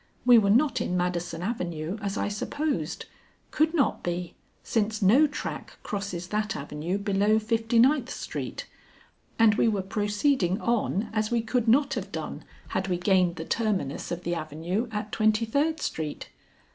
We were not in Madison Avenue, as I supposed; could not be, since no track crosses that avenue below Fifty ninth Street, and we were proceeding on as we could not have done had we gained the terminus of the avenue at Twenty third Street.